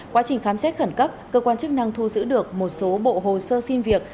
quá trình khám xét khẩn cấp cơ quan chức năng thu giữ được một số bộ hồ sơ xin việc